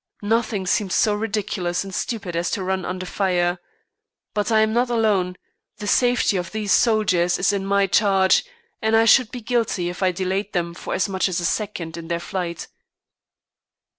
Nothing seems so ridiculous and stupid as to run under fire. But I am not alone; the safety of these soldiers is in my charge, and I should be guilty if I delayed them for as much as a second in their flight.